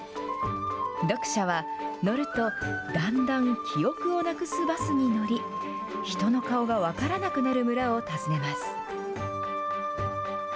読者は、乗るとだんだん記憶をなくすバスに乗り、人の顔が分からなくなる村を訪ねます。